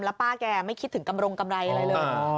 ป้าแกไม่คิดถึงกำรงกำไรอะไรเลย